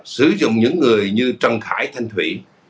sử dụng những người như trần khải thanh thủy